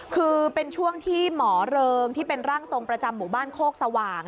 คือเป็นช่วงที่หมอเริงที่เป็นร่างทรงประจำหมู่บ้านโคกสว่าง